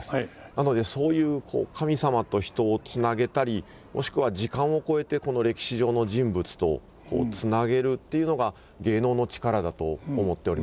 なのでそういう神様と人をつなげたりもしくは時間を超えて歴史上の人物とつなげるっていうのが芸能の力だと思っております。